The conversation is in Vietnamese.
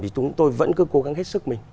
thì chúng tôi vẫn cứ cố gắng hết sức mình